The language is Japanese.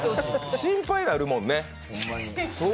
心配になるもんね。